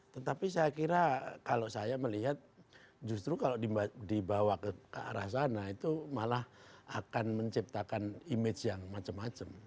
tetapi saya kira kalau saya melihat justru kalau dibawa ke arah sana itu malah akan menciptakan image yang macam macam